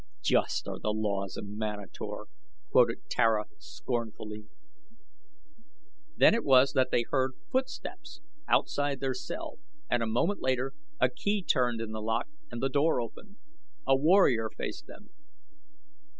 "'Just are the laws of Manator,'" quoted Tara, scornfully. Then it was that they heard footsteps outside their cell and a moment later a key turned in the lock and the door opened. A warrior faced them.